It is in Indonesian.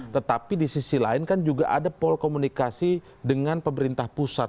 tetapi di sisi lain kan juga ada pol komunikasi dengan pemerintah pusat